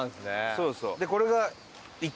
そうそう。